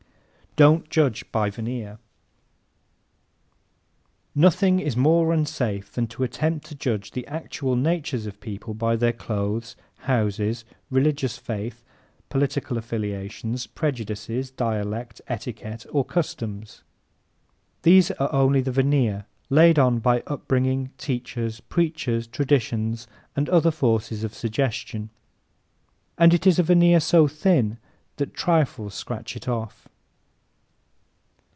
Don't Judge by Veneer ¶ Nothing is more unsafe than to attempt to judge the actual natures of people by their clothes, houses, religious faith, political affiliations, prejudices, dialect, etiquette or customs. These are only the veneer laid on by upbringing, teachers, preachers, traditions and other forces of suggestion, and it is a veneer so thin that trifles scratch it off.